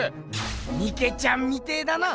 ミケちゃんみてえだな。